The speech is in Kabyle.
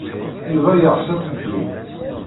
Yuba yeɣs ad teddum.